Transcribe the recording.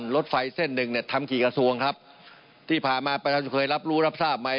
ลดไฟเส้นหนึ่งทำกี่กระทรวงครับที่ผ่ามาไปเคยรับรู้รับทราบไหม